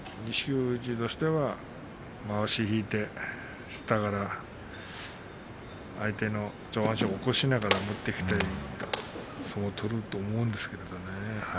富士としてはまわしを引いて下から相手の上半身を起こしながら持っていく相撲を取ると思うんですがね。